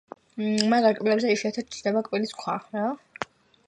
მაგარ კბილებზე იშვიათად ჩნდება კბილის ქვა.